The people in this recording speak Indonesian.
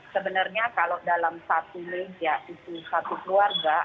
sebenarnya kalau dalam satu leg ya satu keluarga